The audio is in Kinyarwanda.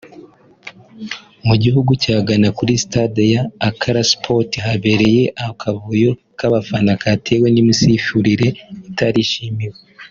Mu gihugu cya Ghana kuri stade ya Accra Sports habereye akavuyo k’abafana katewe n’imisifurire itarishimiwe